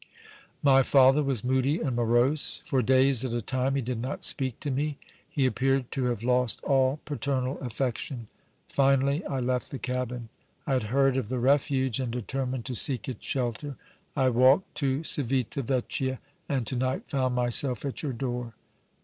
My father was moody and morose. For days at a time he did not speak to me. He appeared to have lost all paternal affection. Finally I left the cabin. I had heard of the Refuge and determined to seek its shelter. I walked to Civita Vecchia, and to night found myself at your door.